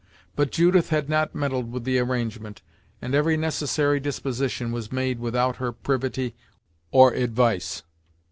But Judith had not meddled with the arrangement, and every necessary disposition was made without her privity or advice.